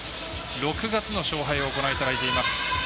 ６月の勝敗をご覧いただいております。